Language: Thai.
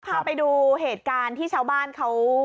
พาไปดูเหตุการณ์ที่ชาวบ้านเขา